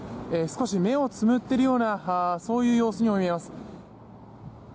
少し目をつむっているようなそういう様子にも見えます。